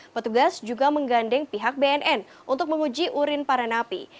petugas juga menggandeng pihak bnn untuk menguji urin para napi